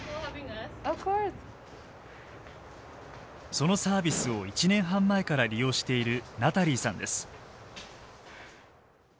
そのサービスを１年半前から利用しているナタリーさんです。